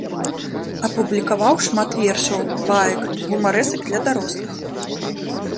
Апублікаваў шмат вершаў, баек, гумарэсак для дарослых.